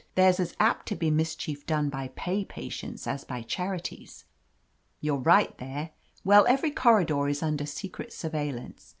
"There's as apt to be mischief done by pay patients as by charities." "You're right, there. Well, every corridor is under secret surveillance.